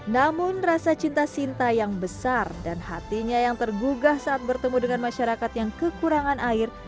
namun rasa cinta sinta yang besar dan hatinya yang tergugah saat bertemu dengan masyarakat yang kekurangan air